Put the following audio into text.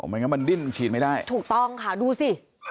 มันดิ้นฉีดไม่ได้นะถูกต้องค่ะดูสิ